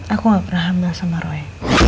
aku gak pernah hamil sama roy